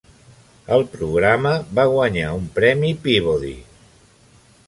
El programa va guanyar un premi Peabody.